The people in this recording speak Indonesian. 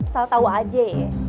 salah tau aja ya